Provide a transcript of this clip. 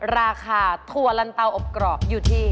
ราคาถั่วลันเตาอบกรอบอยู่ที่